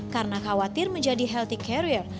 karena khawatir menjadi healthy carrier